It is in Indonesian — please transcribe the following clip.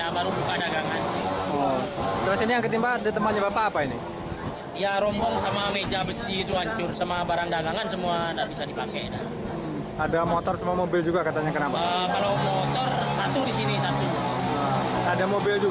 pembelian jalan raya